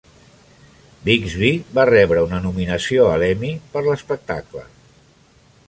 Bixby va rebre una nominació a l'Emmy per l'espectacle.